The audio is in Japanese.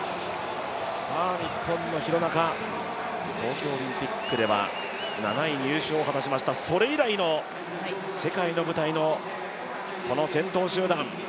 日本の廣中東京オリンピックでは７位入賞を果たしましたそれ以来の世界の舞台の、この先頭集団。